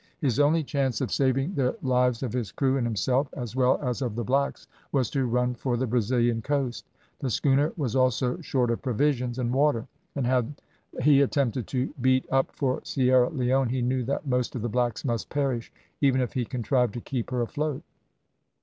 His only chance of saving the lives of his crew, and himself, as well as of the blacks, was to run for the Brazilian coast. The schooner was also short of provisions and water, and had he attempted to beat up for Sierra Leone, he knew that most of the blacks must perish, even if he contrived to keep her afloat.